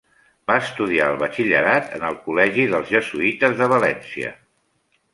Va estudiar el batxillerat en el Col·legi dels Jesuïtes de València.